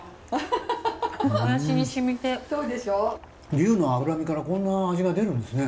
牛の脂身からこんな味が出るんですね。